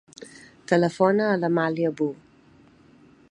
Telefona a l'Amàlia Boo.